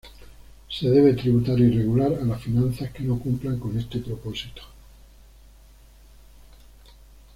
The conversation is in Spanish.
Se debe tributar y regular a las finanzas que no cumplan con este propósito.